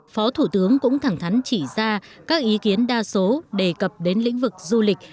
phó thủ tướng cũng thẳng thắn chỉ ra các ý kiến đa số đề cập đến lĩnh vực du lịch